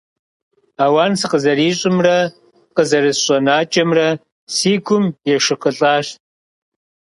Ауан сыкъызэрищӀымрэ къызэрысщӀэнакӀэмрэ си гум ешыкъылӀащ.